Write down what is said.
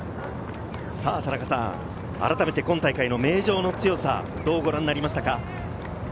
改めて今大会の名城の強さ、どうご覧になりますか？